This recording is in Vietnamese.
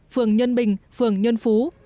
phường nhân bình phường nhân phú